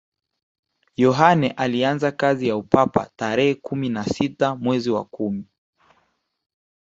yohane alianzia kazi ya upapa tarehe kumi na sita mwezi wa kumi